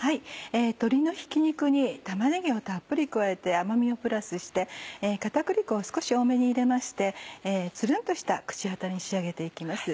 鶏のひき肉に玉ねぎをたっぷり加えて甘みをプラスして片栗粉を少し多めに入れましてツルンとした口当たりに仕上げて行きます。